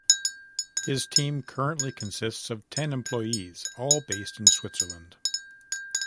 His team currently consists of ten employees, all based in Switzerland.